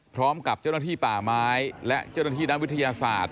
พร้อมกับเจ้าหน้าที่ป่าไม้และเจ้าหน้าที่ด้านวิทยาศาสตร์